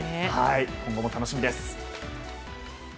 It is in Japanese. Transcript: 今後も楽しみです。